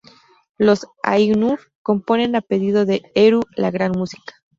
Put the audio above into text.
Los Ainur componen a pedido de Eru la Gran Música.